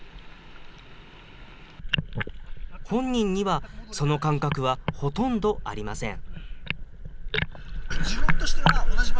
本人にはその感覚はほとんどありません。